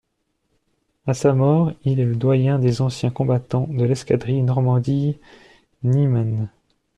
À sa mort, il est le doyen des anciens combattants de l’escadrille Normandie-Niemen.